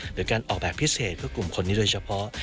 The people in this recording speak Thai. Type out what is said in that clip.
หรือการออกแบบพิเศษเพื่อกลุ่มคนนี้โดยเฉพาะ